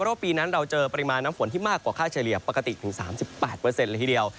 เพราะปีนั้นเราเจอปริมาณน้ำฝนที่มากกว่าค่าเฉลี่ยปกติถึง๓๘เลยทีเดียว